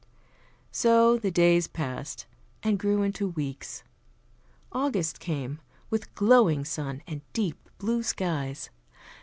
So the days passed, and grew into weeks. August came, with glowing sun and deep blue skies.